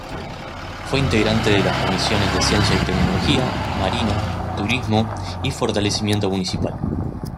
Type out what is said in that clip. Fue integrante de las Comisiones de Ciencia y Tecnología; Marina; Turismo; y Fortalecimiento Municipal.